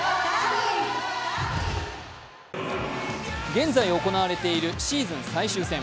現在行われているシーズン最終戦。